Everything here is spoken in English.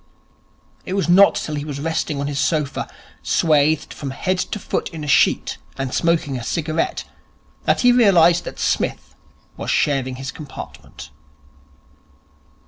It was not till he was resting on his sofa, swathed from head to foot in a sheet and smoking a cigarette, that he realized that Psmith was sharing his compartment.